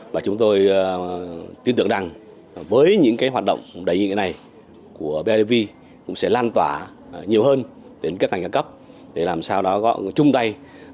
và chúng tôi tin tưởng rằng với những cái hoạt động đầy ý nghĩa này của bidv cũng sẽ lan tỏa nhiều hơn đến các ngành các cấp để làm sao đó chung tay